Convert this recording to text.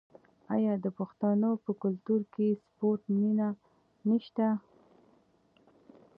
آیا د پښتنو په کلتور کې د سپورت مینه نشته؟